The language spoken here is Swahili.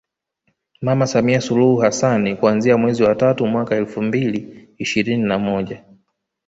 Mama Samia Suluhu Hassani kuanzia mwezi wa tatu mwaka Elfu mbili ishirini na moja